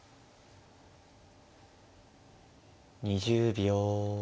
２０秒。